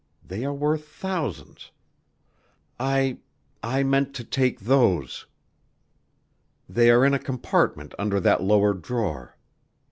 They are worth thousands. I I meant to take those. They are in a compartment under that lower drawer.